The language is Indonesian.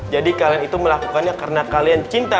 jadi kalian itu melakukannya karena kalian cinta